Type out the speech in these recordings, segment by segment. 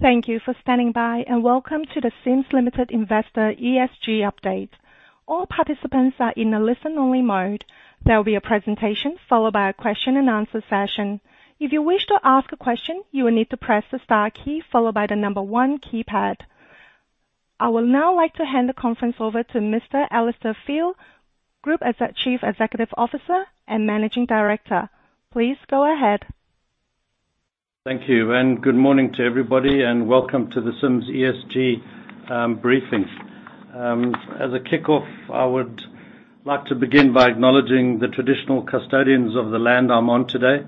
Thank you for standing by, and welcome to the Sims Limited Investor ESG update. All participants are in a listen-only mode. There will be a presentation followed by a question and answer session. If you wish to ask a question, you will need to press the star key followed by the number one keypad. I will now like to hand the conference over to Mr. Alistair Field, Chief Executive Officer and Managing Director. Please go ahead. Thank you, and good morning to everybody, and welcome to the Sims ESG briefing. As a kickoff, I would like to begin by acknowledging the traditional custodians of the land I'm on today,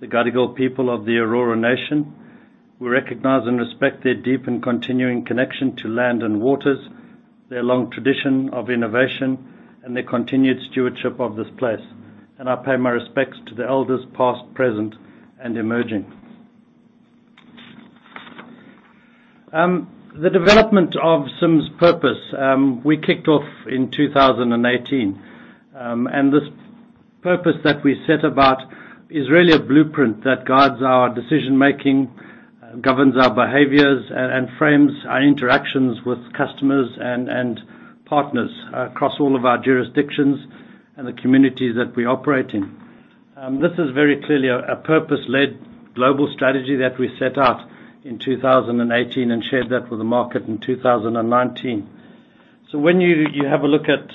the Gadigal people of the Eora nation. We recognize and respect their deep and continuing connection to land and waters, their long tradition of innovation and their continued stewardship of this place. And I pay my respects to the elders, past, present, and emerging. The development of Sims' purpose we kicked off in 2018. This purpose that we set about is really a blueprint that guides our decision-making, governs our behaviors and frames our interactions with customers and partners across all of our jurisdictions and the communities that we operate in. This is very clearly a purpose-led global strategy that we set out in 2018 and shared that with the market in 2019. When you have a look at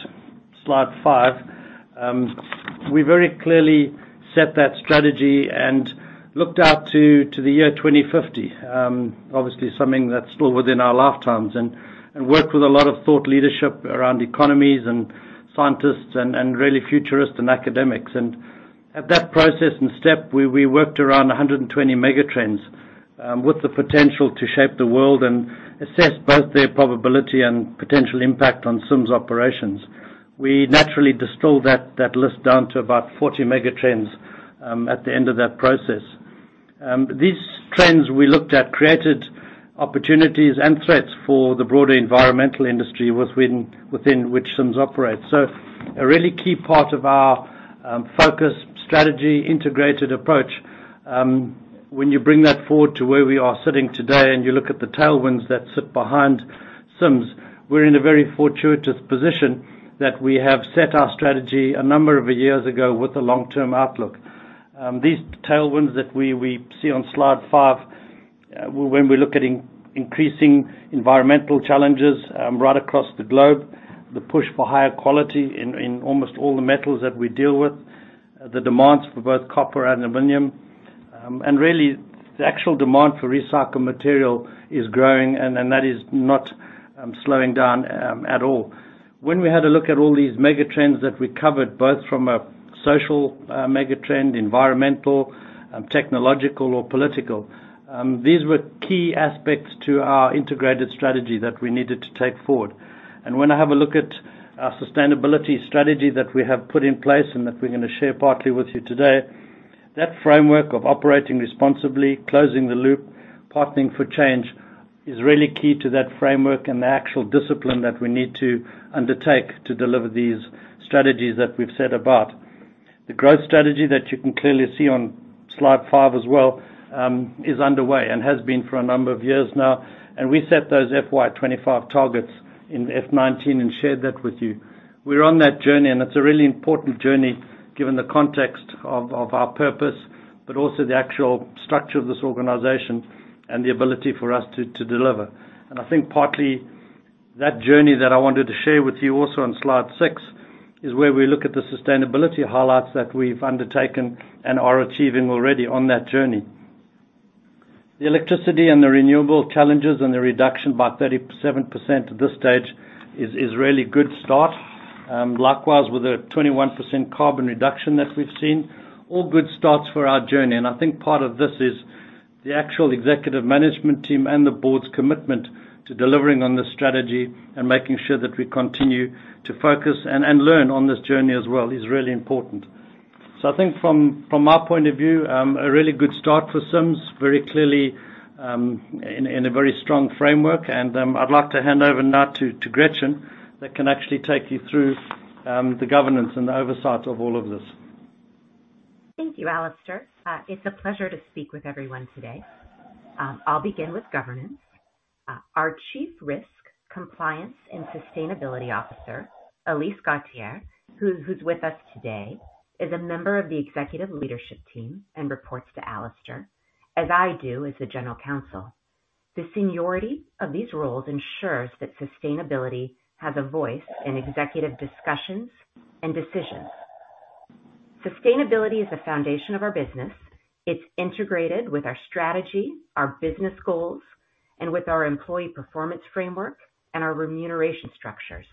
slide five, we very clearly set that strategy and looked out to the year 2050. Obviously something that's still within our lifetimes and worked with a lot of thought leadership around economies and scientists and really futurists and academics. At that process and step, we worked around 120 mega trends with the potential to shape the world and assess both their probability and potential impact on Sims operations. We naturally distilled that list down to about 40 mega trends at the end of that process. These trends we looked at created opportunities and threats for the broader environmental industry within which Sims operates. A really key part of our focus, strategy, integrated approach, when you bring that forward to where we are sitting today and you look at the tailwinds that sit behind Sims, we're in a very fortuitous position that we have set our strategy a number of years ago with a long-term outlook. These tailwinds that we see on slide five, when we look at increasing environmental challenges right across the globe, the push for higher quality in almost all the metals that we deal with, the demands for both copper and aluminum. Really the actual demand for recycled material is growing and then that is not slowing down at all. When we had a look at all these mega trends that we covered, both from a social mega trend, environmental, technological or political, these were key aspects to our integrated strategy that we needed to take forward. When I have a look at our sustainability strategy that we have put in place and that we're gonna share partly with you today, that framework of operating responsibly, closing the loop, partnering for change, is really key to that framework and the actual discipline that we need to undertake to deliver these strategies that we've set about. The growth strategy that you can clearly see on slide five as well, is underway and has been for a number of years now, and we set those FY 25 targets in FY 19 and shared that with you. We're on that journey, and it's a really important journey given the context of our purpose, but also the actual structure of this organization and the ability for us to deliver. I think partly that journey that I wanted to share with you also on slide six is where we look at the sustainability highlights that we've undertaken and are achieving already on that journey. The electricity and the renewable challenges and the reduction by 37% at this stage is a really good start. Likewise with a 21% carbon reduction that we've seen. All good starts for our journey. I think part of this is the actual executive management team and the board's commitment to delivering on this strategy and making sure that we continue to focus and learn on this journey as well, is really important. I think from my point of view, a really good start for Sims, very clearly, in a very strong framework. I'd like to hand over now to Gretchen that can actually take you through the governance and the oversight of all of this. Thank you, Alistair. It's a pleasure to speak with everyone today. I'll begin with governance. Our Chief Risk, Compliance and Sustainability Officer, Elise Gautier, who's with us today, is a member of the executive leadership team and reports to Alistair, as I do as the General Counsel. The seniority of these roles ensures that sustainability has a voice in executive discussions and decisions. Sustainability is the foundation of our business. It's integrated with our strategy, our business goals, and with our employee performance framework and our remuneration structures.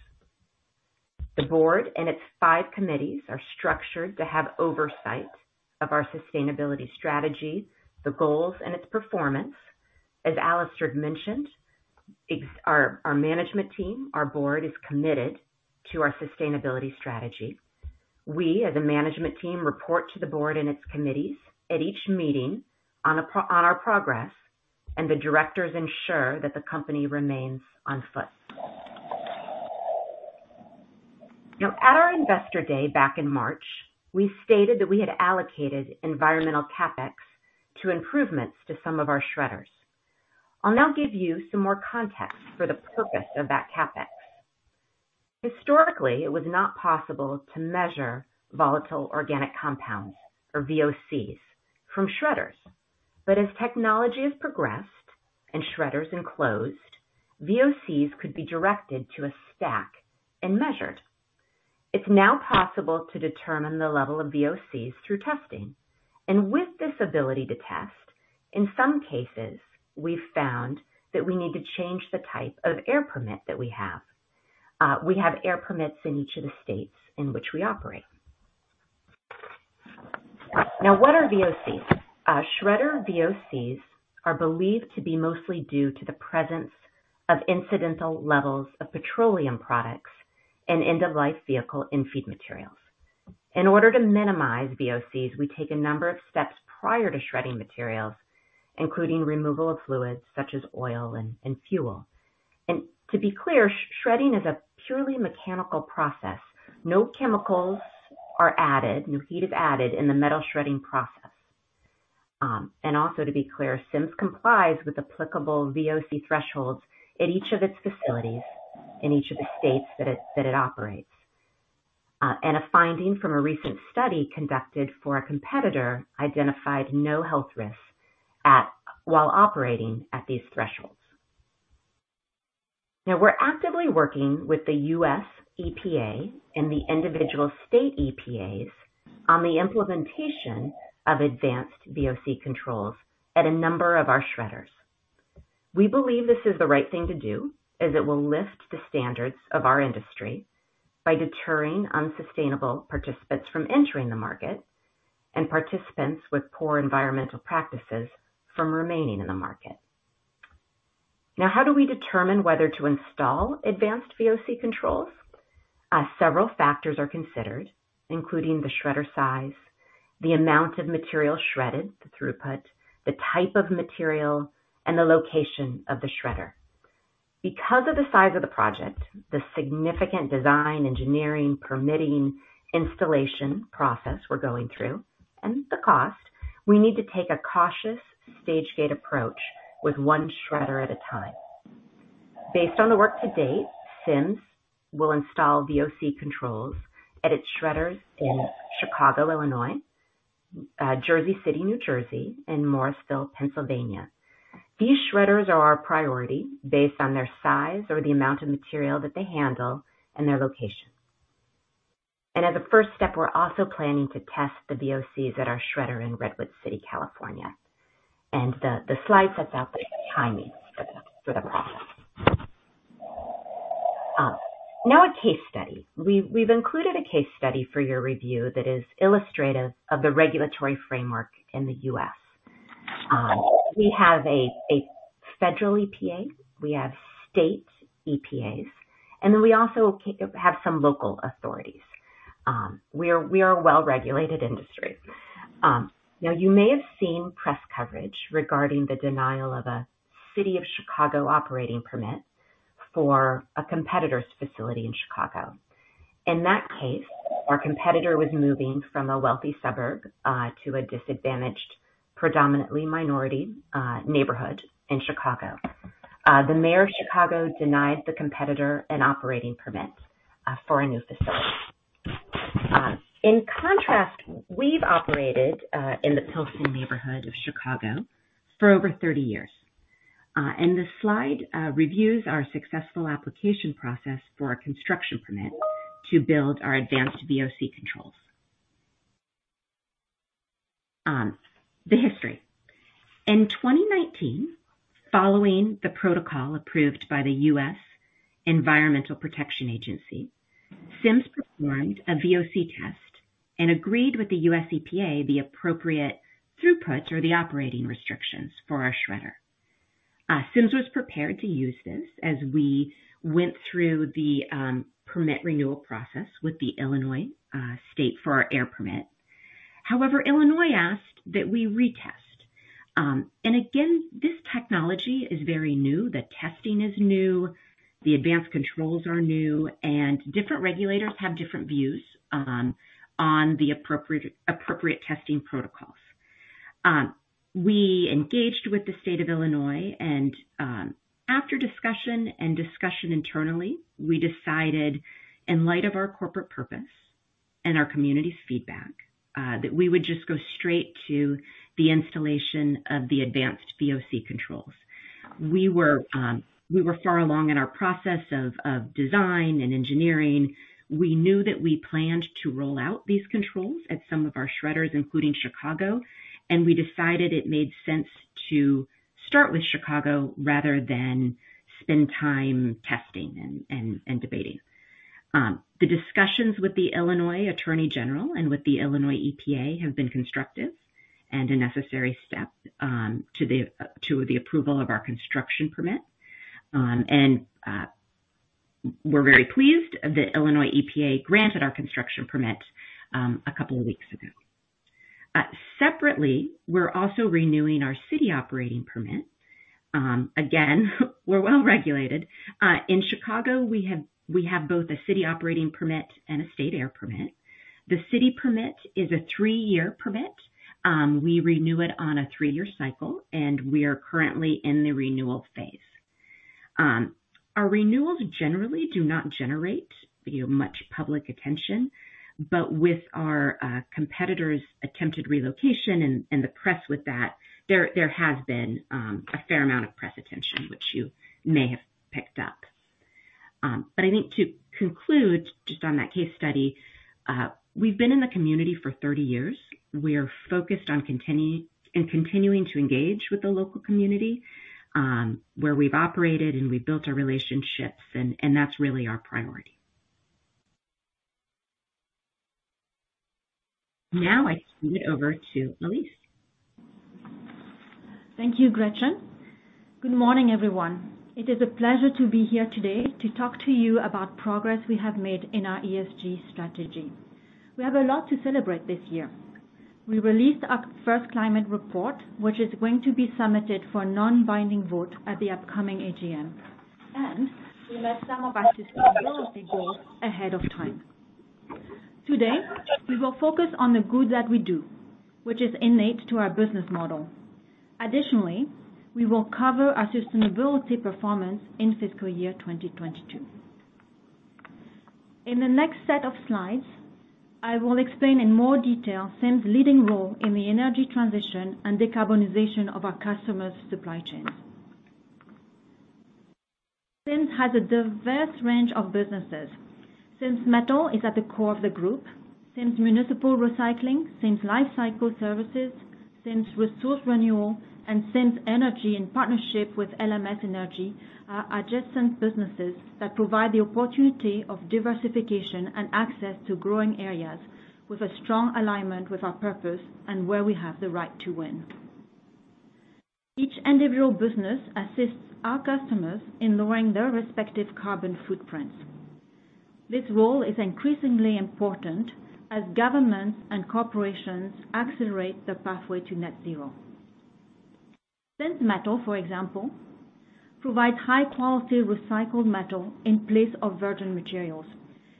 The board and its five committees are structured to have oversight of our sustainability strategy, the goals and its performance. As Alistair mentioned, our management team, our board, is committed to our sustainability strategy. We, as a management team, report to the board and its committees at each meeting on our progress, and the directors ensure that the company remains on track. Now, at our Investor Day back in March, we stated that we had allocated environmental CapEx to improvements to some of our shredders. I'll now give you some more context for the purpose of that CapEx. Historically, it was not possible to measure volatile organic compounds, or VOCs, from shredders. But ss technology has progressed and shredders enclosed, VOCs could be directed to a stack and measured. It's now possible to determine the level of VOCs through testing. With this ability to test, in some cases, we've found that we need to change the type of air permit that we have. We have air permits in each of the states in which we operate. Now, what are VOCs? Shredder VOCs are believed to be mostly due to the presence of incidental levels of petroleum products and end-of-life vehicle in feed materials. In order to minimize VOCs, we take a number of steps prior to shredding materials, including removal of fluids such as oil and fuel. To be clear, shredding is a purely mechanical process. No chemicals are added, no heat is added in the metal shredding process. And also to be clear, Sims complies with applicable VOC thresholds at each of its facilities in each of the states that it operates. A finding from a recent study conducted for a competitor identified no health risks while operating at these thresholds. Now we're actively working with the U.S. EPA and the individual state EPAs on the implementation of advanced VOC controls at a number of our shredders. We believe this is the right thing to do as it will lift the standards of our industry by deterring unsustainable participants from entering the market and participants with poor environmental practices from remaining in the market. Now, how do we determine whether to install advanced VOC controls? Several factors are considered, including the shredder size, the amount of material shredded, the throughput, the type of material, and the location of the shredder. Because of the size of the project, the significant design, engineering, permitting, installation process we're going through, and the cost, we need to take a cautious stage-gate approach with one shredder at a time. Based on the work to date, Sims will install VOC controls at its shredders in Chicago, Illinois, Jersey City, New Jersey, and Morrisville, Pennsylvania. These shredders are our priority based on their size or the amount of material that they handle and their location. As a first step, we're also planning to test the VOCs at our shredder in Redwood City, California. The slide sets out the timing for the process. Now a case study. We've included a case study for your review that is illustrative of the regulatory framework in the U.S. We have a federal EPA, we have state EPAs, and then we also have some local authorities. We are a well-regulated industry. Now you may have seen press coverage regarding the denial of a City of Chicago operating permit for a competitor's facility in Chicago. In that case, our competitor was moving from a wealthy suburb to a disadvantaged, predominantly minority neighborhood in Chicago. The mayor of Chicago denied the competitor an operating permit for a new facility. In contrast, we've operated in the Pilsen neighborhood of Chicago for over 30 years. This slide reviews our successful application process for a construction permit to build our advanced VOC controls. The history. In 2019, following the protocol approved by the U.S. Environmental Protection Agency, Sims performed a VOC test and agreed with the U.S. EPA, the appropriate throughputs or the operating restrictions for our shredder. Sims was prepared to use this as we went through the permit renewal process with the Illinois state for our air permit. However, Illinois asked that we retest. And again, this technology is very new. The testing is new, the advanced controls are new, and different regulators have different views on the appropriate testing protocols. We engaged with the State of Illinois and, after discussion internally, we decided in light of our corporate purpose and our community's feedback, that we would just go straight to the installation of the advanced VOC controls. We were far along in our process of design and engineering. We knew that we planned to roll out these controls at some of our shredders, including Chicago, and we decided it made sense to start with Chicago rather than spend time testing and debating. The discussions with the Illinois Attorney General and with the Illinois EPA have been constructive and a necessary step to the approval of our construction permit. We're very pleased that Illinois EPA granted our construction permit a couple of weeks ago. Separately, we're also renewing our city operating permit. Again, we're well regulated. In Chicago, we have both a city operating permit and a state air permit. The city permit is a three-year permit. We renew it on a three-year cycle, and we are currently in the renewal phase. Our renewals generally do not generate, you know, much public attention, but with our competitor's attempted relocation and the press with that, there has been a fair amount of press attention which you may have picked up. I think to conclude just on that case study, we've been in the community for 30 years. We're focused on continuing to engage with the local community, where we've operated and we've built our relationships and that's really our priority. Now I hand it over to Elise. Thank you, Gretchen. Good morning, everyone. It is a pleasure to be here today to talk to you about progress we have made in our ESG strategy. We have a lot to celebrate this year. We released our first climate report, which is going to be submitted for non-binding vote at the upcoming AGM, and we met some of our sustainability goals ahead of time. Today, we will focus on the good that we do, which is innate to our business model. Additionally, we will cover our sustainability performance in fiscal year 2022. In the next set of slides, I will explain in more detail Sims' leading role in the energy transition and decarbonization of our customers' supply chains. Sims has a diverse range of businesses. Sims Metal is at the core of the group. Sims Municipal Recycling, Sims Lifecycle Services, Sims Resource Renewal, and Sims Energy in partnership with LMS Energy are adjacent businesses that provide the opportunity of diversification and access to growing areas with a strong alignment with our purpose and where we have the right to win. Each individual business assists our customers in lowering their respective carbon footprints. This role is increasingly important as governments and corporations accelerate the pathway to net zero. Sims Metal, for example, provides high quality recycled metal in place of virgin materials,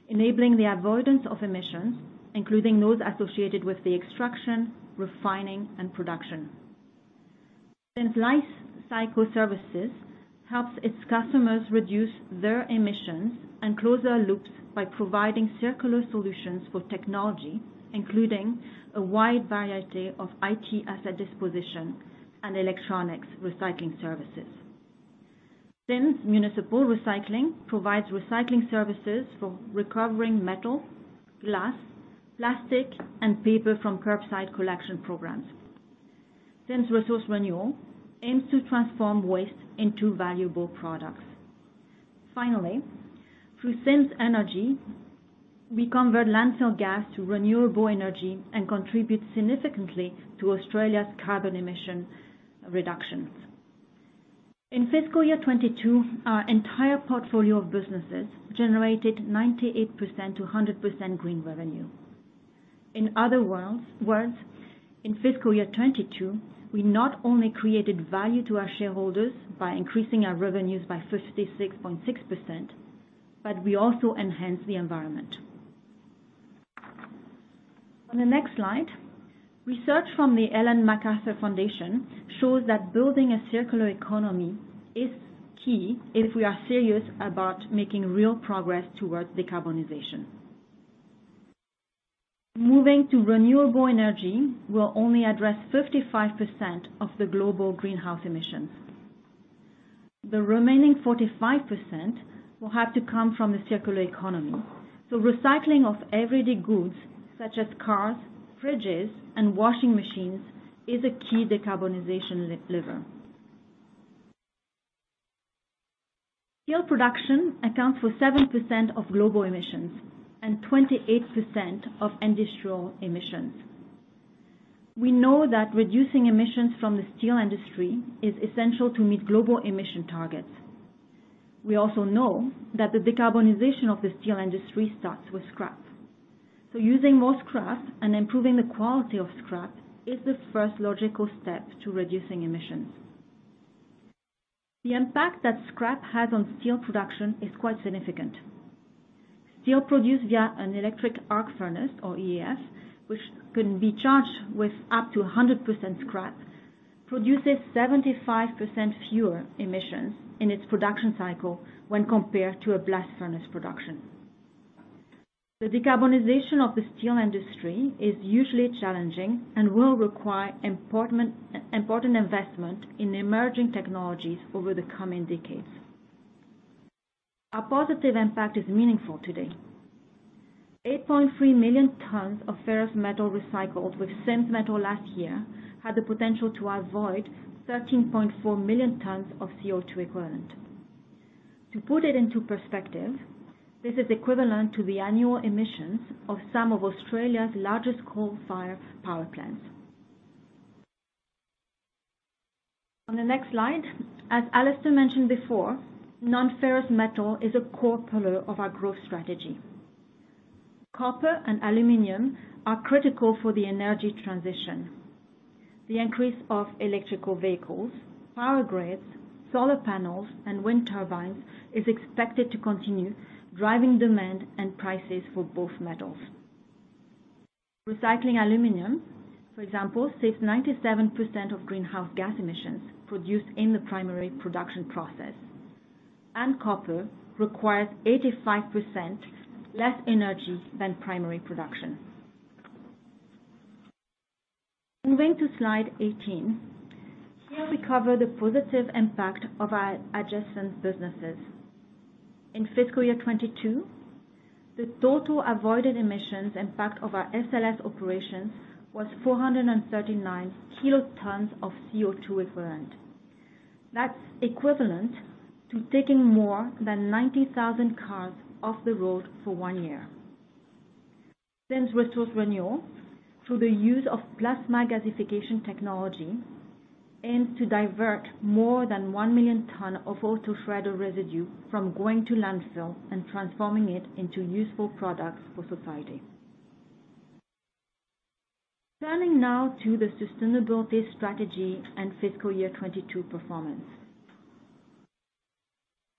enabling the avoidance of emissions, including those associated with the extraction, refining, and production. Sims Lifecycle Services helps its customers reduce their emissions and close their loops by providing circular solutions for technology, including a wide variety of IT asset disposition and electronics recycling services. Sims Municipal Recycling provides recycling services for recovering metal, glass, plastic, and paper from curbside collection programs. Sims Resource Renewal aims to transform waste into valuable products. Finally, through Sims Energy, we convert landfill gas to renewable energy and contribute significantly to Australia's carbon emissions reductions. In fiscal year 2022, our entire portfolio of businesses generated 98%-100% green revenue. In other words, in fiscal year 2022, we not only created value to our shareholders by increasing our revenues by 56.6%, but we also enhanced the environment. On the next slide, research from the Ellen MacArthur Foundation shows that building a circular economy is key if we are serious about making real progress towards decarbonization. Moving to renewable energy will only address 55% of the global greenhouse emissions. The remaining 45% will have to come from the circular economy. Recycling of everyday goods such as cars, fridges, and washing machines is a key decarbonization lever. Steel production accounts for 7% of global emissions and 28% of industrial emissions. We know that reducing emissions from the steel industry is essential to meet global emission targets. We also know that the decarbonization of the steel industry starts with scrap. Using more scrap and improving the quality of scrap is the first logical step to reducing emissions. The impact that scrap has on steel production is quite significant. Steel produced via an electric arc furnace or EAF, which can be charged with up to 100% scrap, produces 75% fewer emissions in its production cycle when compared to a blast furnace production. The decarbonization of the steel industry is hugely challenging and will require important investment in emerging technologies over the coming decades. Our positive impact is meaningful today. 8.3 million tons of ferrous metal recycled with Sims Metal last year had the potential to avoid 13.4 million tons of CO₂ equivalent. To put it into perspective, this is equivalent to the annual emissions of some of Australia's largest coal-fired power plants. On the next slide, as Alistair mentioned before, non-ferrous metal is a core pillar of our growth strategy. Copper and aluminum are critical for the energy transition. The increase of electric vehicles, power grids, solar panels and wind turbines is expected to continue driving demand and prices for both metals. Recycling aluminum, for example, saves 97% of greenhouse gas emissions produced in the primary production process. Copper requires 85% less energy than primary production. Moving to slide 18, here we cover the positive impact of our adjacent businesses. In fiscal year 2022, the total avoided emissions impact of our SLS operations was 439 kilotons of CO₂ equivalent. That's equivalent to taking more than 90,000 cars off the road for one year. Sims Resource Renewal through the use of plasma gasification technology aims to divert more than one million tons of auto shredder residue from going to landfill and transforming it into useful products for society. Turning now to the sustainability strategy and fiscal year 2022 performance.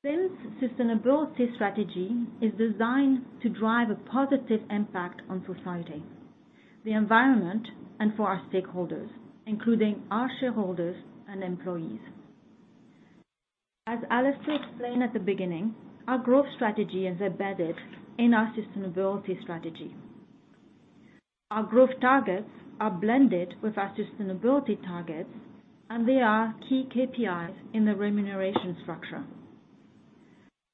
Sims's sustainability strategy is designed to drive a positive impact on society, the environment, and for our stakeholders, including our shareholders and employees. As Alistair explained at the beginning, our growth strategy is embedded in our sustainability strategy. Our growth targets are blended with our sustainability targets, and they are key KPIs in the remuneration structure.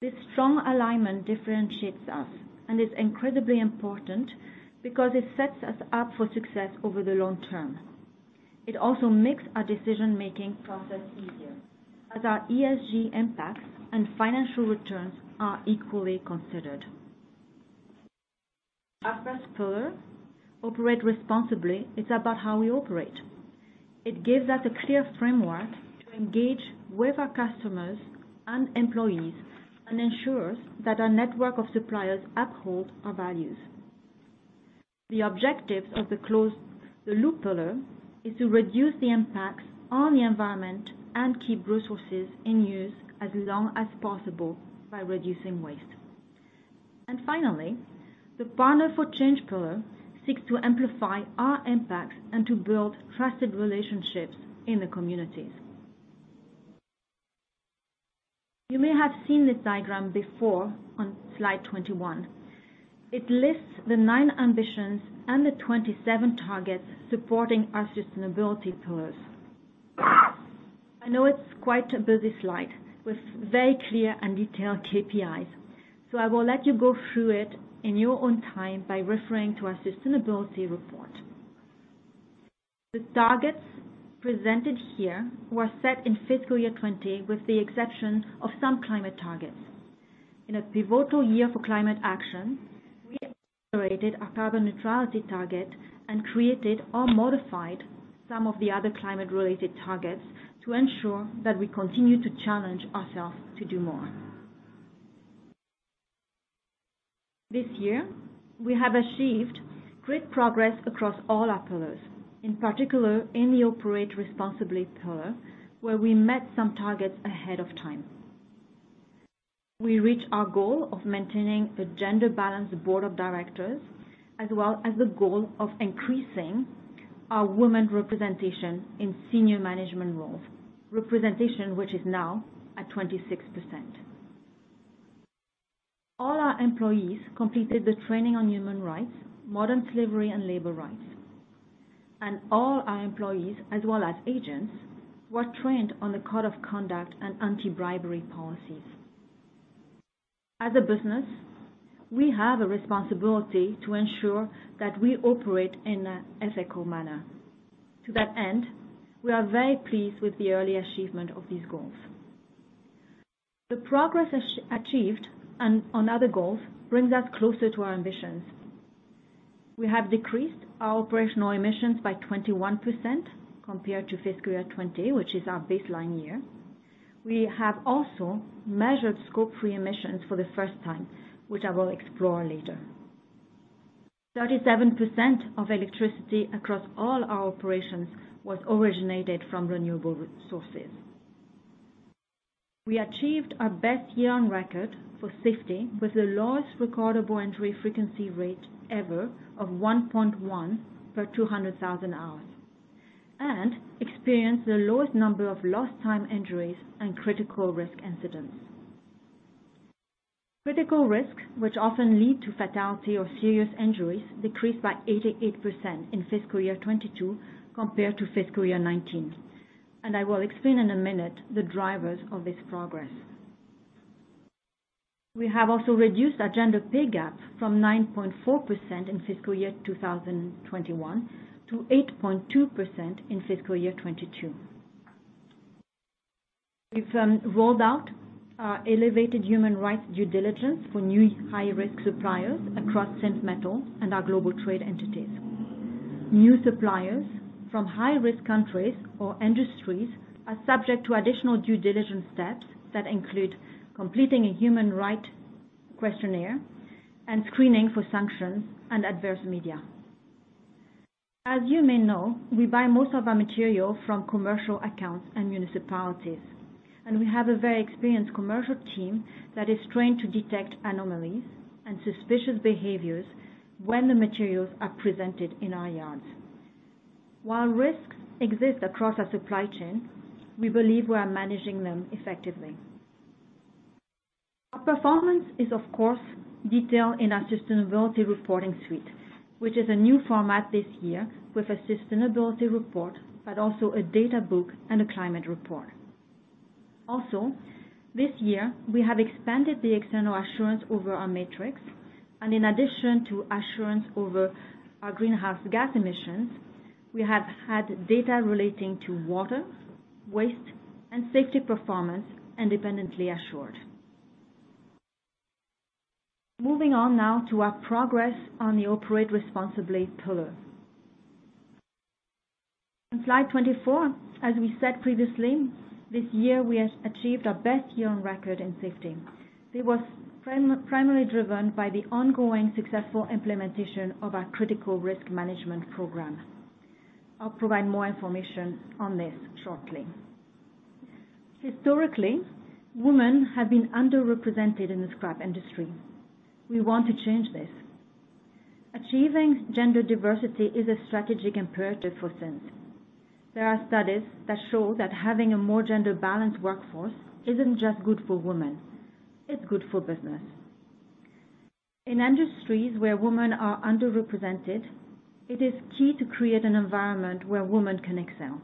This strong alignment differentiates us and is incredibly important because it sets us up for success over the long term. It also makes our decision-making process easier as our ESG impacts and financial returns are equally considered. Our first pillar, Operate Responsibly, is about how we operate. It gives us a clear framework to engage with our customers and employees and ensures that our network of suppliers uphold our values. The objectives of the closed-loop pillar is to reduce the impacts on the environment and keep resources in use as long as possible by reducing waste. Finally, the Partner for Change pillar seeks to amplify our impacts and to build trusted relationships in the communities. You may have seen this diagram before on slide 21. It lists the nine ambitions and the 27 targets supporting our sustainability pillars. I know it's quite a busy slide with very clear and detailed KPIs, so I will let you go through it in your own time by referring to our sustainability report. The targets presented here were set in fiscal year 2020 with the exception of some climate targets. In a pivotal year for climate action, we accelerated our carbon neutrality target and created or modified some of the other climate-related targets to ensure that we continue to challenge ourselves to do more. This year, we have achieved great progress across all our pillars, in particular in the Operate Responsibly pillar, where we met some targets ahead of time. We reached our goal of maintaining a gender-balanced board of directors, as well as the goal of increasing our women representation in senior management roles, representation which is now at 26%. All our employees completed the training on human rights, modern slavery and labor rights. All our employees as well as agents were trained on the code of conduct and anti-bribery policies. As a business, we have a responsibility to ensure that we operate in an ethical manner. To that end, we are very pleased with the early achievement of these goals. The progress achieved and on other goals brings us closer to our ambitions. We have decreased our operational emissions by 21% compared to fiscal year 2020, which is our baseline year. We have also measured Scope 3 emissions for the first time, which I will explore later. 37% of electricity across all our operations was originated from renewable sources. We achieved our best year on record for safety with the lowest recordable injury frequency rate ever of 1.1 per 200,000 hours, and experienced the lowest number of lost time injuries and critical risk incidents. Critical risks which often lead to fatality or serious injuries decreased by 88% in fiscal year 2022 compared to fiscal year 2019. I will explain in a minute the drivers of this progress. We have also reduced our gender pay gap from 9.4% in fiscal year 2021 to 8.2% in fiscal year 2022. We've rolled out our elevated human rights due diligence for new high-risk suppliers across NCH Metal and our global trade entities. New suppliers from high-risk countries or industries are subject to additional due diligence steps that include completing a human rights questionnaire and screening for sanctions and adverse media. As you may know, we buy most of our material from commercial accounts and municipalities, and we have a very experienced commercial team that is trained to detect anomalies and suspicious behaviors when the materials are presented in our yards. While risks exist across our supply chain, we believe we are managing them effectively. Our performance is, of course, detailed in our sustainability reporting suite, which is a new format this year with a sustainability report, but also a data book and a climate report. Also, this year we have expanded the external assurance over our metrics, and in addition to assurance over our greenhouse gas emissions, we have had data relating to water, waste, and safety performance independently assured. Moving on now to our progress on the Operate Responsibly pillar. On slide 24, as we said previously, this year we have achieved our best year on record in safety. It was primarily driven by the ongoing successful implementation of our critical risk management program. I'll provide more information on this shortly. Historically, women have been underrepresented in the scrap industry. We want to change this. Achieving gender diversity is a strategic imperative for NCH. There are studies that show that having a more gender-balanced workforce isn't just good for women, it's good for business. In industries where women are underrepresented, it is key to create an environment where women can excel.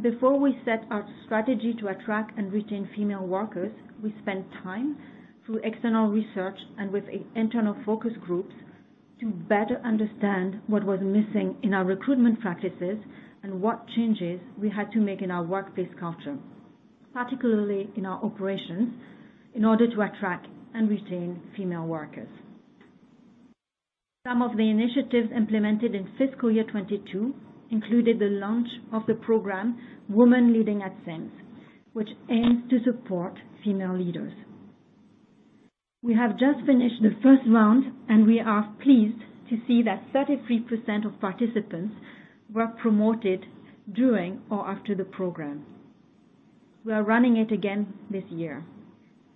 Before we set our strategy to attract and retain female workers, we spent time through external research and with internal focus groups to better understand what was missing in our recruitment practices and what changes we had to make in our workplace culture, particularly in our operations, in order to attract and retain female workers. Some of the initiatives implemented in fiscal year 2022 included the launch of the program Women Leading @ Sims, which aims to support female leaders. We have just finished the first round, and we are pleased to see that 33% of participants were promoted during or after the program. We are running it again this year.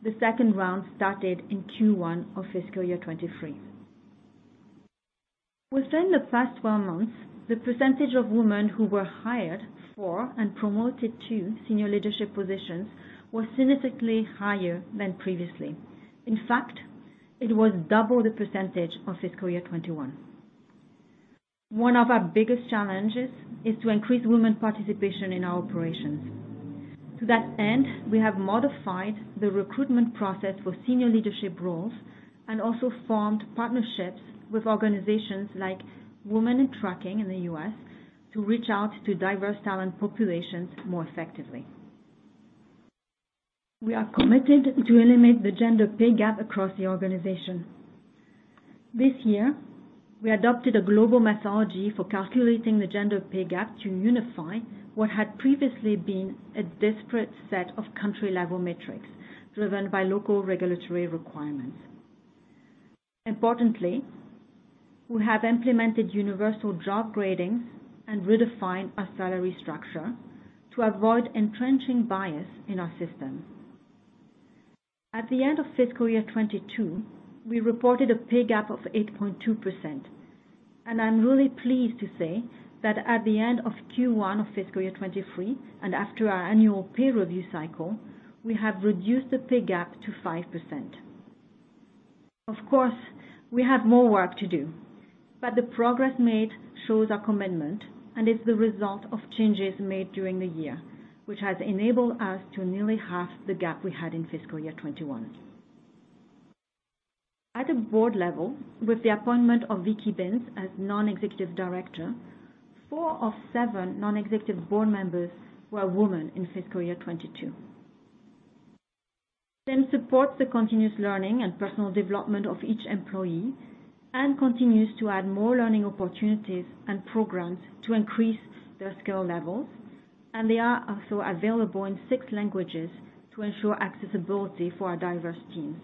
The second round started in Q1 of fiscal year 2023. Within the past 12 months, the percentage of women who were hired for and promoted to senior leadership positions was significantly higher than previously. In fact, it was double the percentage of fiscal year 2021. One of our biggest challenges is to increase women participation in our operations. To that end, we have modified the recruitment process for senior leadership roles and also formed partnerships with organizations like Women in Trucking in the U.S. to reach out to diverse talent populations more effectively. We are committed to eliminate the gender pay gap across the organization. This year, we adopted a global methodology for calculating the gender pay gap to unify what had previously been a disparate set of country-level metrics driven by local regulatory requirements. Importantly, we have implemented universal job gradings and redefined our salary structure to avoid entrenching bias in our system. At the end of fiscal year 2022, we reported a pay gap of 8.2%. I'm really pleased to say that at the end of Q1 of fiscal year 2023, and after our annual pay review cycle, we have reduced the pay gap to 5%. Of course, we have more work to do, but the progress made shows our commitment and is the result of changes made during the year, which has enabled us to nearly halve the gap we had in fiscal year 2021. At the board level, with the appointment of Vicky Binns as non-executive director, four of seven non-executive board members were women in fiscal year 2022. Sims supports the continuous learning and personal development of each employee and continues to add more learning opportunities and programs to increase their skill levels, and they are also available in 6 languages to ensure accessibility for our diverse teams.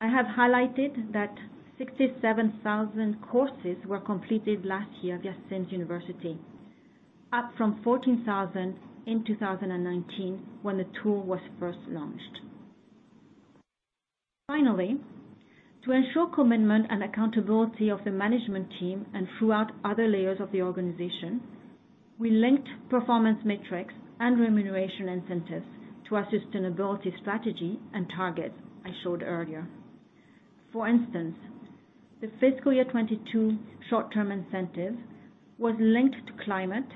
I have highlighted that 67,000 courses were completed last year via Sims University, up from 14,000 in 2019 when the tool was first launched. Finally, to ensure commitment and accountability of the management team and throughout other layers of the organization, we linked performance metrics and remuneration incentives to our sustainability strategy and targets I showed earlier. For instance, the fiscal year 2022 short-term incentive was linked to climate,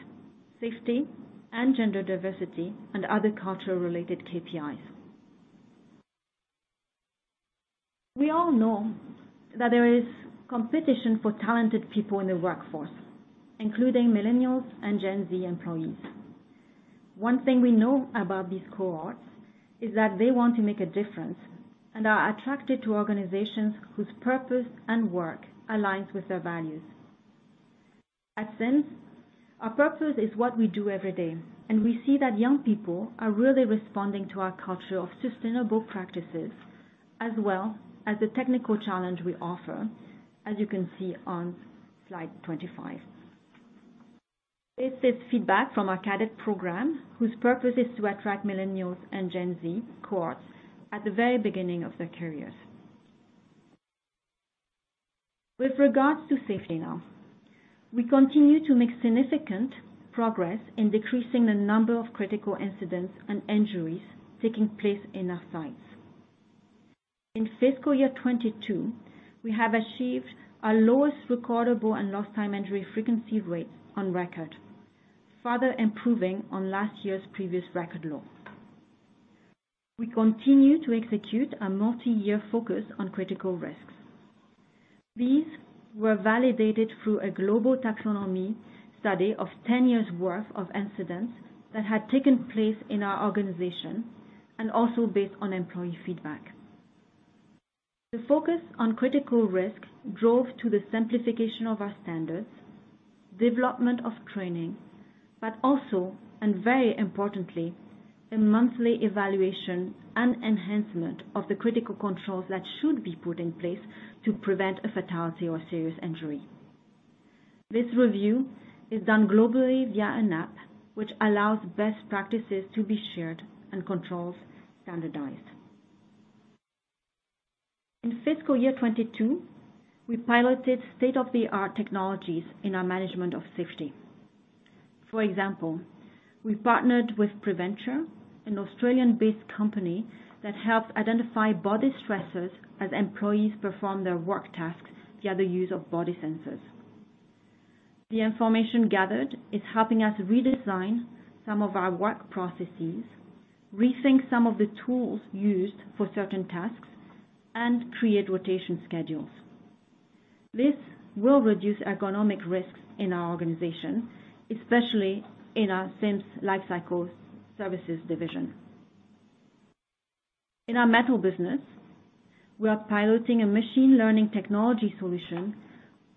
safety, and gender diversity, and other cultural related KPIs. We all know that there is competition for talented people in the workforce, including millennials and Gen Z employees. One thing we know about these cohorts is that they want to make a difference and are attracted to organizations whose purpose and work aligns with their values. At Sims, our purpose is what we do every day, and we see that young people are really responding to our culture of sustainable practices as well as the technical challenge we offer, as you can see on slide 25. This is feedback from our cadet program, whose purpose is to attract millennials and Gen Z cohorts at the very beginning of their careers. With regards to safety now, we continue to make significant progress in decreasing the number of critical incidents and injuries taking place in our sites. In fiscal year 2022, we have achieved our lowest recordable and lost time injury frequency rates on record, further improving on last year's previous record low. We continue to execute a multi-year focus on critical risks. These were validated through a global taxonomy study of 10 years' worth of incidents that had taken place in our organization, and also based on employee feedback. The focus on critical risk drove to the simplification of our standards, development of training, but also, and very importantly, a monthly evaluation and enhancement of the critical controls that should be put in place to prevent a fatality or serious injury. This review is done globally via an app which allows best practices to be shared and controls standardized. In fiscal year 2022, we piloted state-of-the-art technologies in our management of safety. For example, we partnered with PreVenture, an Australian-based company that helps identify body stressors as employees perform their work tasks via the use of body sensors. The information gathered is helping us redesign some of our work processes, rethink some of the tools used for certain tasks, and create rotation schedules. This will reduce ergonomic risks in our organization, especially in our Sims Lifecycle Services division. In our metal business, we are piloting a machine learning technology solution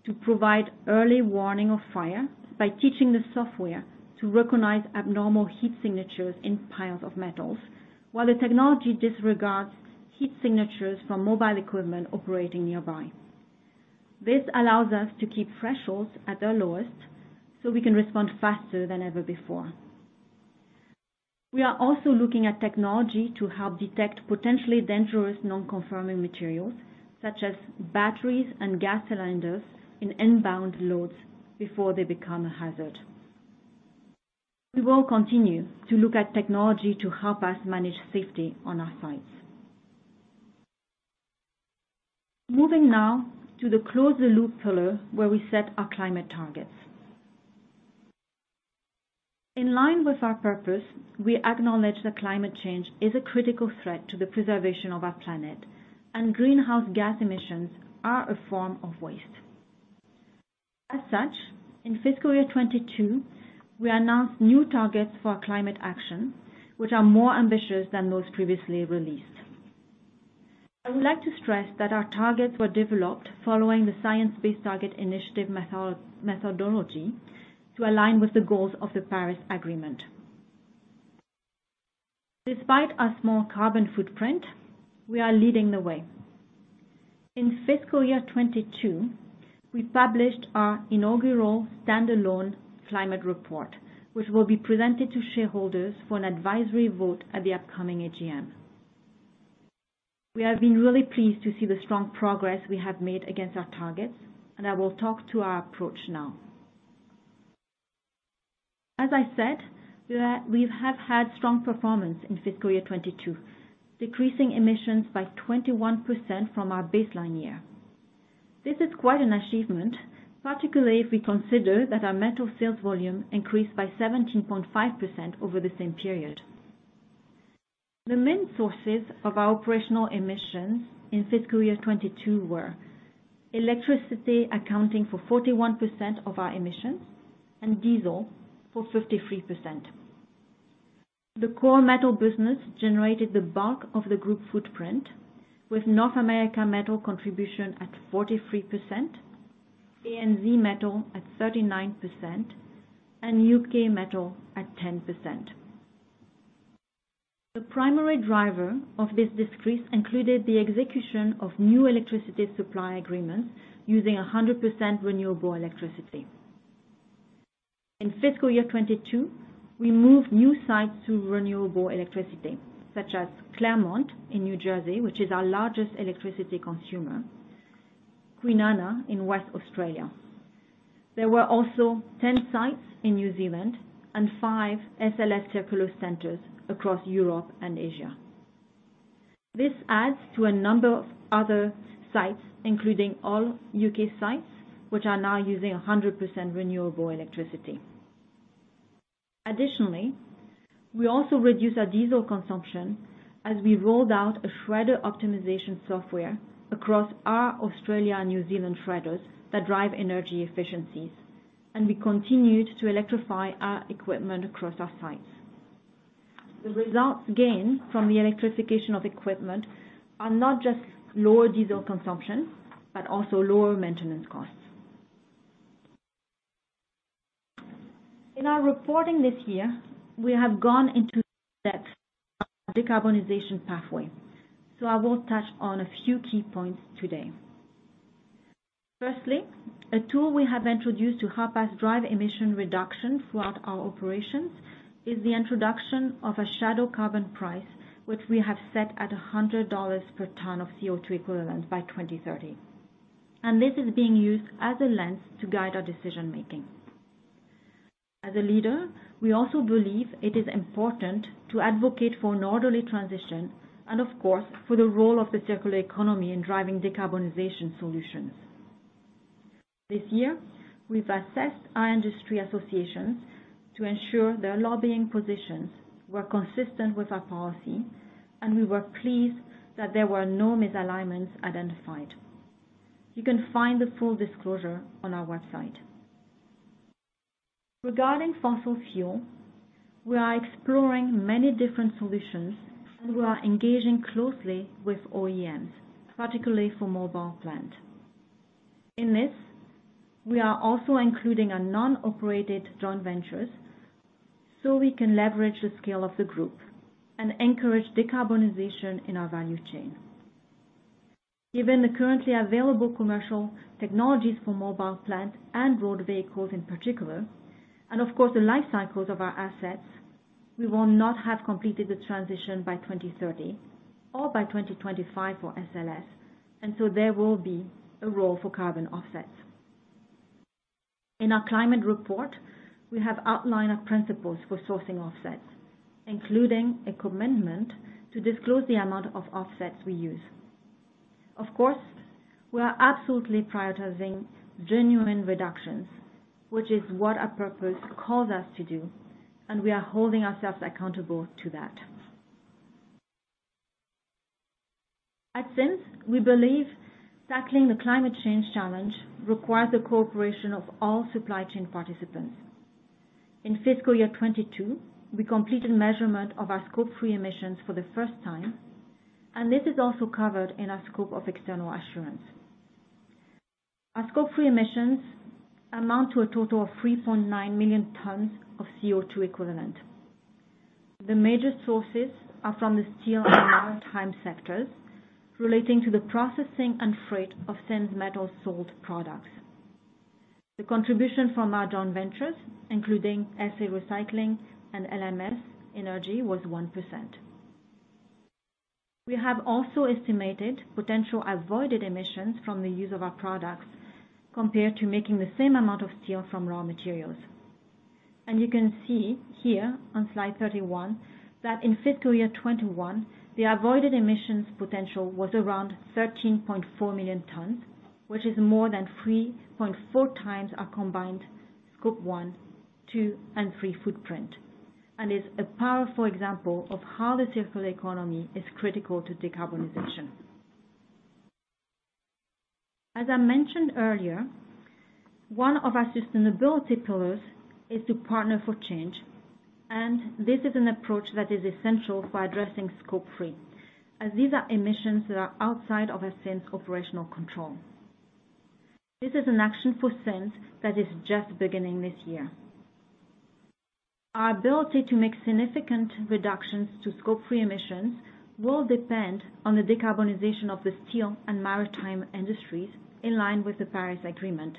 to provide early warning of fire by teaching the software to recognize abnormal heat signatures in piles of metals, while the technology disregards heat signatures from mobile equipment operating nearby. This allows us to keep thresholds at their lowest, so we can respond faster than ever before. We are also looking at technology to help detect potentially dangerous non-conforming materials such as batteries and gas cylinders in inbound loads before they become a hazard. We will continue to look at technology to help us manage safety on our sites. Moving now to the close the loop pillar, where we set our climate targets. In line with our purpose, we acknowledge that climate change is a critical threat to the preservation of our planet, and greenhouse gas emissions are a form of waste. As such, in fiscal year 2022, we announced new targets for our climate action, which are more ambitious than those previously released. I would like to stress that our targets were developed following the Science Based Targets initiative methodology to align with the goals of the Paris Agreement. Despite our small carbon footprint, we are leading the way. In fiscal year 2022, we published our inaugural standalone climate report, which will be presented to shareholders for an advisory vote at the upcoming AGM. We have been really pleased to see the strong progress we have made against our targets, and I will talk to our approach now. As I said, we have had strong performance in fiscal year 2022, decreasing emissions by 21% from our baseline year. This is quite an achievement, particularly if we consider that our metal sales volume increased by 17.5% over the same period. The main sources of our operational emissions in fiscal year 2022 were electricity accounting for 41% of our emissions and diesel for 53%. The core metal business generated the bulk of the group footprint, with North America metal contribution at 43%, ANZ metal at 39%, and UK metal at 10%. The primary driver of this decrease included the execution of new electricity supply agreements using 100% renewable electricity. In fiscal year 2022, we moved new sites to renewable electricity, such as Claremont in New Jersey, which is our largest electricity consumer, Kwinana in Western Australia. There were also 10 sites in New Zealand and 5 SLS Circular centers across Europe and Asia. This adds to a number of other sites, including all U.K. sites, which are now using 100% renewable electricity. Additionally, we also reduce our diesel consumption as we rolled out a shredder optimization software across our Australia and New Zealand shredders that drive energy efficiencies, and we continued to electrify our equipment across our sites. The results gained from the electrification of equipment are not just lower diesel consumption, but also lower maintenance costs. In our reporting this year, we have gone into that decarbonization pathway, so I will touch on a few key points today. Firstly, a tool we have introduced to help us drive emission reduction throughout our operations is the introduction of a shadow carbon price, which we have set at $100 per ton of CO₂ equivalent by 2030. This is being used as a lens to guide our decision making. As a leader, we also believe it is important to advocate for an orderly transition and of course, for the role of the circular economy in driving decarbonization solutions. This year, we've assessed our industry associations to ensure their lobbying positions were consistent with our policy, and we were pleased that there were no misalignments identified. You can find the full disclosure on our website. Regarding fossil fuel, we are exploring many different solutions, and we are engaging closely with OEMs, particularly for mobile plant. In this, we are also including a non-operated joint ventures so we can leverage the scale of the group and encourage decarbonization in our value chain. Given the currently available commercial technologies for mobile plant and road vehicles in particular, and of course, the life cycles of our assets, we will not have completed the transition by 2030 or by 2025 for SLS, and so there will be a role for carbon offsets. In our climate report, we have outlined our principles for sourcing offsets, including a commitment to disclose the amount of offsets we use. Of course, we are absolutely prioritizing genuine reductions, which is what our purpose calls us to do, and we are holding ourselves accountable to that. At Sims, we believe tackling the climate change challenge requires the cooperation of all supply chain participants. In fiscal year 2022, we completed measurement of our Scope 3 emissions for the first time, and this is also covered in our scope of external assurance. Our Scope 3 emissions amount to a total of 3.9 million tons of CO₂ equivalent. The major sources are from the steel and maritime sectors relating to the processing and freight of Sims's metal sold products. The contribution from our joint ventures, including SA Recycling and LMS Energy, was 1%. We have also estimated potential avoided emissions from the use of our products compared to making the same amount of steel from raw materials. You can see here on slide 31 that in fiscal year 2021, the avoided emissions potential was around 13.4 million tons, which is more than 3.4 times our combined Scope 1, 2, and 3 footprint and is a powerful example of how the circular economy is critical to decarbonization. As I mentioned earlier, one of our sustainability pillars is to partner for change, and this is an approach that is essential for addressing Scope 3, as these are emissions that are outside of Sims's operational control. This is an action for Sims that is just beginning this year. Our ability to make significant reductions to Scope 3 emissions will depend on the decarbonization of the steel and maritime industries in line with the Paris Agreement,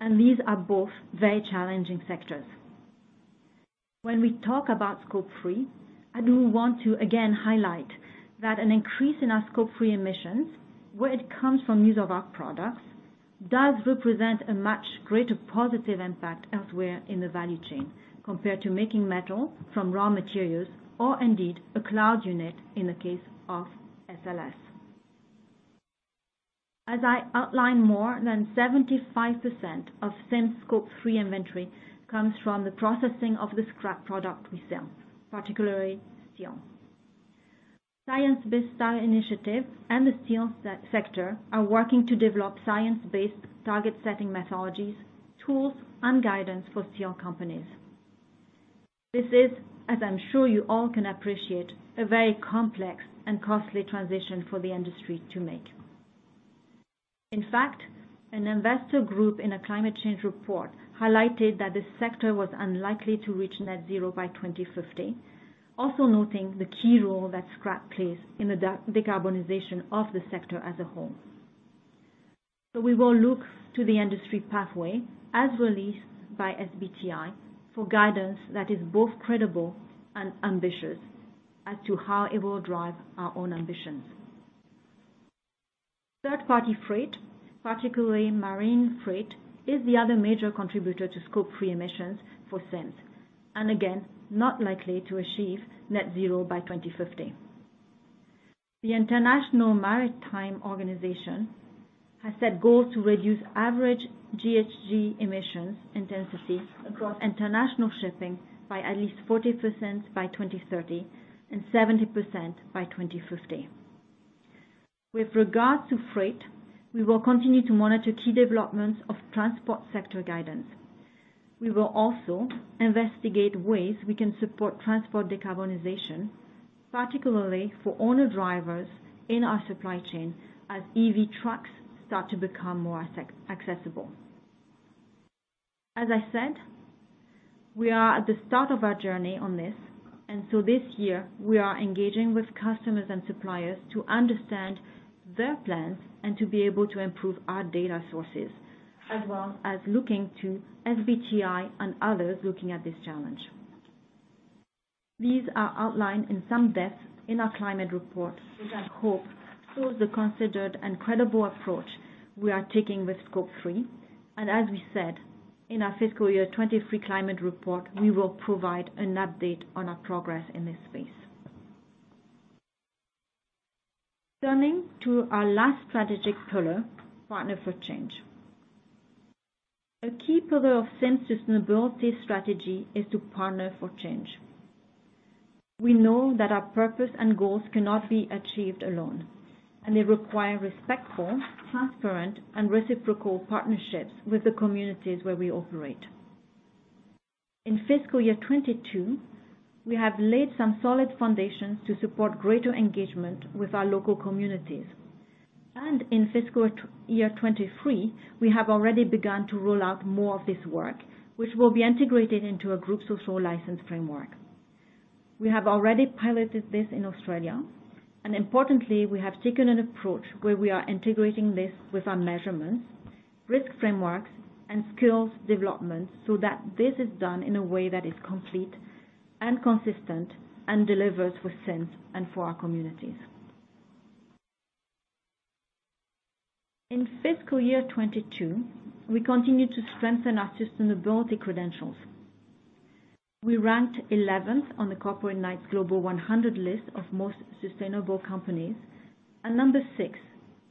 and these are both very challenging sectors. When we talk about Scope 3, I do want to again highlight that an increase in our Scope 3 emissions, where it comes from use of our products, does represent a much greater positive impact elsewhere in the value chain compared to making metal from raw materials or indeed a cloud unit in the case of SLS. As I outlined, more than 75% of Sims's Scope 3 inventory comes from the processing of the scrap product we sell, particularly steel. Science Based Targets initiative and the steel sector are working to develop science-based target setting methodologies, tools and guidance for steel companies. This is, as I'm sure you all can appreciate, a very complex and costly transition for the industry to make. In fact, an investor group in a climate change report highlighted that the sector was unlikely to reach net zero by 2050, also noting the key role that scrap plays in the decarbonization of the sector as a whole. We will look to the industry pathway as released by SBTi for guidance that is both credible and ambitious as to how it will drive our own ambitions. Third-party freight, particularly marine freight, is the other major contributor to Scope 3 emissions for Sims, and again, not likely to achieve net zero by 2050. The International Maritime Organization has set goals to reduce average GHG emissions intensity across international shipping by at least 40% by 2030 and 70% by 2050. With regard to freight, we will continue to monitor key developments of transport sector guidance. We will also investigate ways we can support transport decarbonization, particularly for owner-drivers in our supply chain, as EV trucks start to become more accessible. As I said, we are at the start of our journey on this, and so this year we are engaging with customers and suppliers to understand their plans and to be able to improve our data sources, as well as looking to SBTI and others looking at this challenge. These are outlined in some depth in our climate report, which I hope shows the considered and credible approach we are taking with Scope 3, and as we said in our fiscal year 2023 climate report, we will provide an update on our progress in this space. Turning to our last strategic pillar, partner for change. A key pillar of Sims sustainability strategy is to partner for change. We know that our purpose and goals cannot be achieved alone, and they require respectful, transparent, and reciprocal partnerships with the communities where we operate. In fiscal year 2022, we have laid some solid foundations to support greater engagement with our local communities. In fiscal year 2023, we have already begun to roll out more of this work, which will be integrated into a group social license framework. We have already piloted this in Australia, and importantly, we have taken an approach where we are integrating this with our measurements, risk frameworks, and skills development, so that this is done in a way that is complete and consistent and delivers for Sims and for our communities. In fiscal year 2022, we continued to strengthen our sustainability credentials. We ranked 11th on the Corporate Knights Global 100 list of most sustainable companies, and number six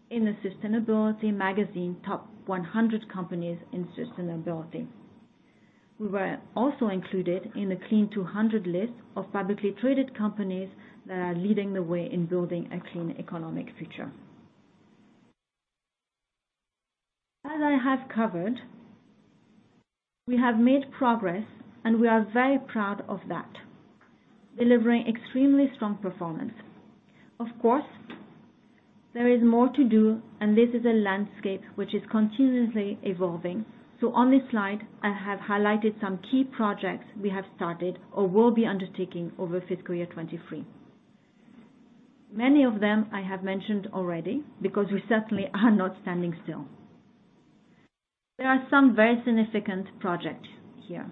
in the Sustainability Magazine Top 100 Companies in Sustainability. We were also included in the Clean200 list of publicly traded companies that are leading the way in building a clean economic future. As I have covered, we have made progress, and we are very proud of that, delivering extremely strong performance. Of course, there is more to do, and this is a landscape which is continuously evolving. On this slide, I have highlighted some key projects we have started or will be undertaking over fiscal year 2023. Many of them I have mentioned already because we certainly are not standing still. There are some very significant projects here.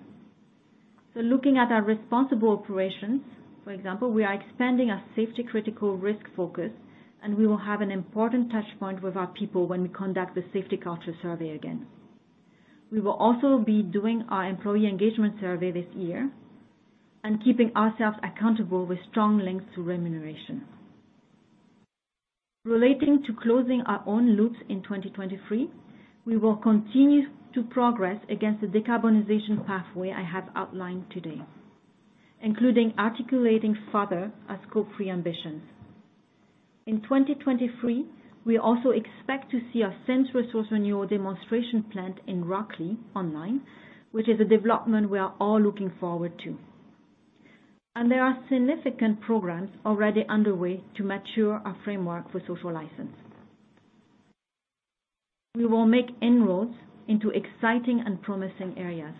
Looking at our responsible operations, for example, we are expanding our safety critical risk focus, and we will have an important touch point with our people when we conduct the safety culture survey again. We will also be doing our employee engagement survey this year and keeping ourselves accountable with strong links to remuneration. Relating to closing our own loops in 2023, we will continue to progress against the decarbonization pathway I have outlined today, including articulating further our Scope 3 ambitions. In 2023, we also expect to see our Sims Resource Renewal demonstration plant in Rocklea online, which is a development we are all looking forward to. There are significant programs already underway to mature our framework for social license. We will make inroads into exciting and promising areas.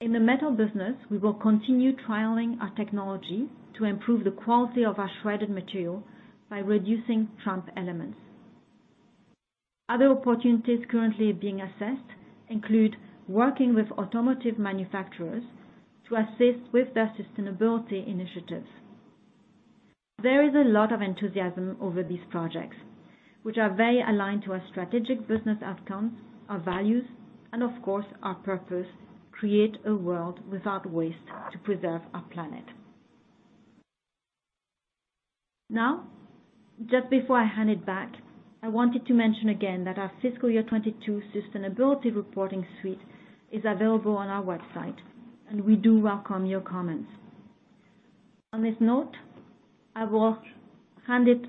In the metal business, we will continue trialing our technology to improve the quality of our shredded material by reducing tramp elements. Other opportunities currently being assessed include working with automotive manufacturers to assist with their sustainability initiatives. There is a lot of enthusiasm over these projects, which are very aligned to our strategic business outcomes, our values, and of course, our purpose. Create a world without waste to preserve our planet. Now, just before I hand it back, I wanted to mention again that our fiscal year 2022 sustainability reporting suite is available on our website, and we do welcome your comments. On this note, I will hand it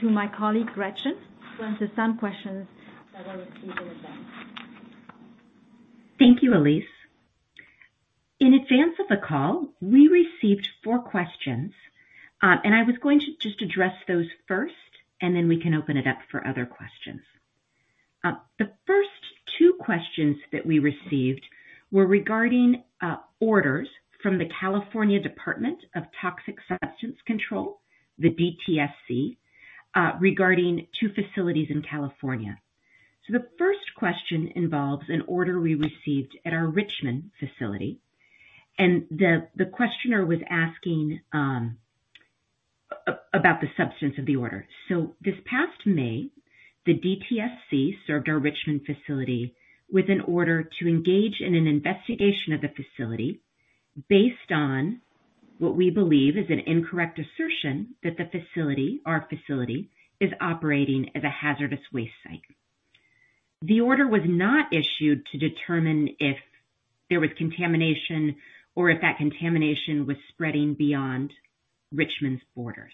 to my colleague, Gretchen, to answer some questions that were received in advance. Thank you, Elise. In advance of the call, we received four questions, and I was going to just address those first, and then we can open it up for other questions. The first two questions that we received were regarding orders from the California Department of Toxic Substances Control, the DTSC, regarding two facilities in California. The first question involves an order we received at our Richmond facility, and the questioner was asking about the substance of the order. This past May, the DTSC served our Richmond facility with an order to engage in an investigation of the facility. Based on what we believe is an incorrect assertion that the facility, our facility, is operating as a hazardous waste site. The order was not issued to determine if there was contamination or if that contamination was spreading beyond Richmond's borders.